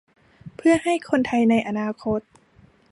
เพื่อให้คนไทยในอนาคต